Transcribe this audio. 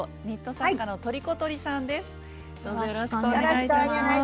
ニット作家のとりことりさんです。